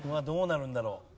どうなるんだろう？